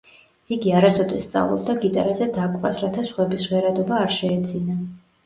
იგი არასოდეს სწავლობდა გიტარაზე დაკვრას, რათა სხვების ჟღერადობა არ შეეძინა.